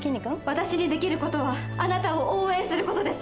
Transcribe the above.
私にできることはあなたを応援することです。